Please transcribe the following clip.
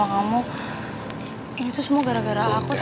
ini tuh semua gara gara aku tau gak